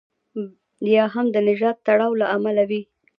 یا هم د نژادي تړاو له امله وي.